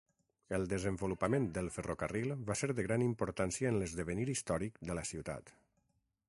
El desenvolupament del ferrocarril va ser de gran importància en l'esdevenir històric de la ciutat.